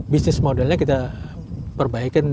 bisnis modelnya kita perbaikin